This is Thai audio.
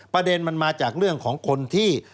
ประเด็นมันมาจากเรื่องของคนที่